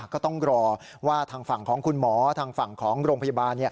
ก็ต้องรอว่าทางฝั่งของคุณหมอทางฝั่งของโรงพยาบาล